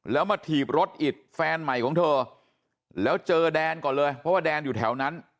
แล้วมาถีบรถอิดแฟนใหม่ของเธอแล้วเจอแดนก่อนเลยเพราะว่าแดนอยู่แถวนั้น